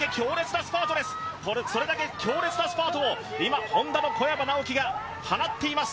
それだけ強烈なスパートを今、Ｈｏｎｄａの小山直城が放っています。